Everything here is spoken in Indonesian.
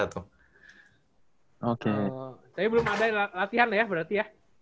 tapi belum ada latihan ya berarti ya